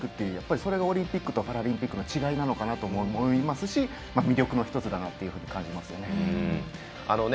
それがオリンピックとパラリンピックの違いなのかなと思いますし魅力の１つだなというふうに感じますよね。